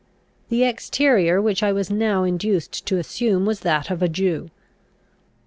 The exterior which I was now induced to assume was that of a Jew.